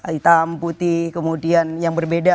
hitam putih kemudian yang berbeda